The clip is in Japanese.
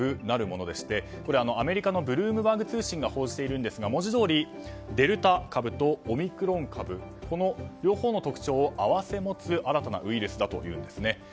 なるものでしてアメリカのブルームバーグ通信が報じていますが、文字どおりデルタ株とオミクロン株この両方の特徴を併せ持つ新たなウイルスだということです。